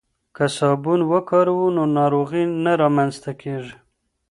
که صابون وکاروو نو ناروغۍ نه رامنځته کیږي.